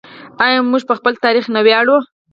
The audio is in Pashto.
آیا موږ په خپل تاریخ نه ویاړو؟